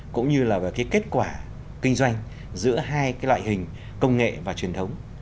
cũng như là về cái kết quả kinh doanh giữa hai cái loại hình công nghệ và truyền thống